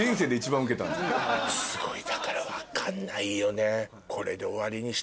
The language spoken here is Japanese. スゴいだから分かんないよね。